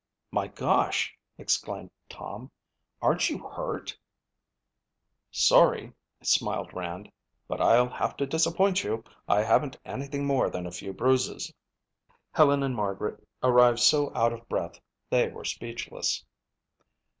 "My gosh," exclaimed Tom, "aren't you hurt?" "Sorry," smiled Rand, "but I'll have to disappoint you. I haven't anything more than a few bruises." Helen and Margaret arrived so out of breath they were speechless.